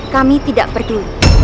kami tidak perlu